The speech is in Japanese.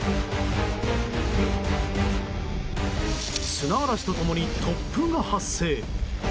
砂嵐と共に突風が発生。